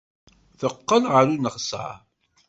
Teqqel ɣer uneɣsar.